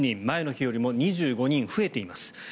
前の日よりも２５人増えています。